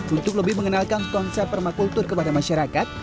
untuk lebih mengenalkan konsep permakultur kepada masyarakat